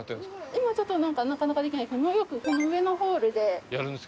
今ちょっとなんかなかなかできないんですけどよくこの上のホールで。